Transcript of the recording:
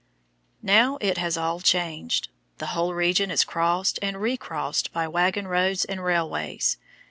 Now it is all changed. The whole region is crossed and recrossed by wagon roads and railways.